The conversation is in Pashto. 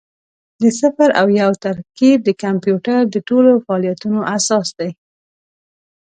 د صفر او یو ترکیب د کمپیوټر د ټولو فعالیتونو اساس دی.